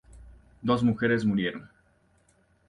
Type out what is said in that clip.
Dos mujeres murieron.